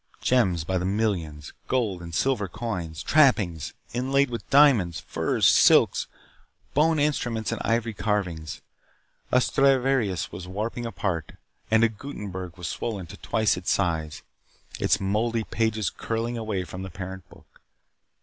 Gems by the millions, gold and silver coins, trappings inlaid with diamonds, furs, silks, bone instruments and ivory carvings. A Stradivarius was warping apart, and a Gutenberg was swollen to twice its size, its moldy pages curling away from the parent book.